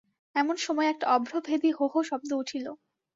এমন সময়ে একটা অভ্রভেদী হো হো শব্দ উঠিল।